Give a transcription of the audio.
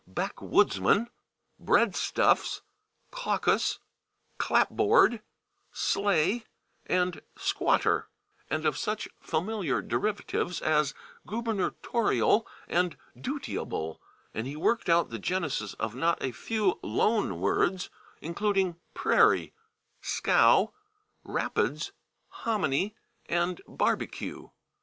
/backwoodsman/, /breadstuffs/, /caucus/, /clapboard/, /sleigh/ and /squatter/ and of such familiar derivatives as /gubernatorial/ and /dutiable/, and he worked out the genesis of not a few loan words, including /prairie/, /scow/, /rapids/, /hominy/ and /barbecue